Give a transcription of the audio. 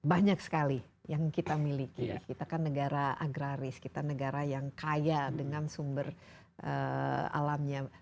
banyak sekali yang kita miliki kita kan negara agraris kita negara yang kaya dengan sumber alamnya